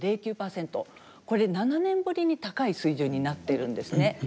これ７年ぶりに高い水準になっているんですね。